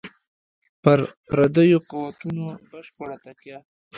پر پردیو قوتونو بشپړه تکیه.